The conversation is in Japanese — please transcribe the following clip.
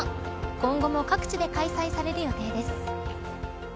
今後も各地で開催される予定です。